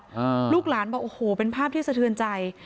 ลูกหลานบอกโอ้โหเป็นภาพที่สะเทือนใจ